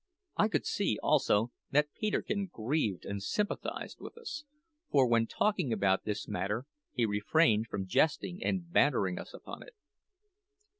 I could see, also, that Peterkin grieved and sympathised with us; for, when talking about this matter, he refrained from jesting and bantering us upon it.